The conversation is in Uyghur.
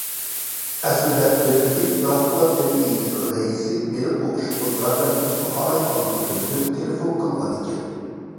ئەسلىدە دۆلەتلىك ناتىقلار جەمئىيىتىنىڭ رەئىسى مېنىڭ ئوقۇشۇمغا ياردەم قىلىشنى خالايدىغانلىقىنى بىلدۈرۈپ تېلېفون قىلغان ئىكەن.